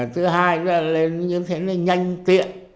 thứ hai là nó nhanh tiện